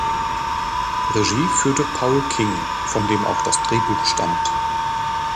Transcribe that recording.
Regie führte Paul King, von dem auch das Drehbuch stammt.